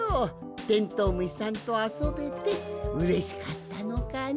テントウムシさんとあそべてうれしかったのかの？